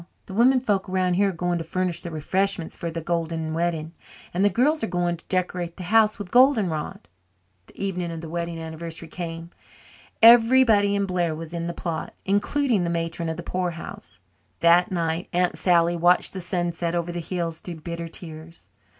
The women folks around here are going to furnish the refreshments for the golden wedding and the girls are going to decorate the house with golden rod." The evening of the wedding anniversary came. Everybody in Blair was in the plot, including the matron of the poorhouse. That night Aunt Sally watched the sunset over the hills through bitter tears.